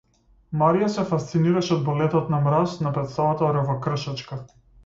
Марија се фасцинираше од балетот на мраз на претставата Оревокршачка.